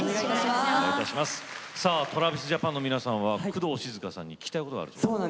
ＴｒａｖｉｓＪａｐａｎの皆さん、工藤静香さんに聞きたいことがあるんですよね。